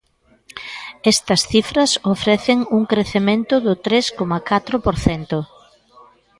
Estas cifras ofrecen un crecemento do tres coma catro por cento.